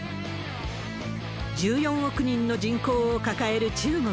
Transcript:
１４億人の人口を抱える中国。